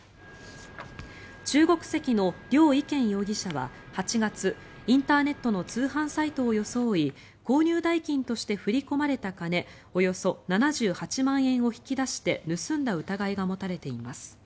中国籍のリョウ・イケン容疑者は８月インターネットの通販サイトを装い購入代金として振り込まれた金およそ７８万円を引き出して盗んだ疑いが持たれています。